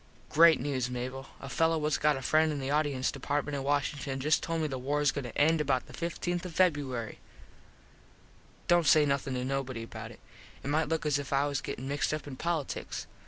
Great news, Mable. A fello whats got a friend in the audience department in Washington just told me the wars goin to end about the 15th of Feb. Dont say nothin to nobody about it. It might look as if I was gettin mixed up in politiks.